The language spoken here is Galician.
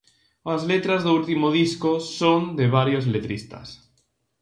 As letras do último disco son de varios letristas.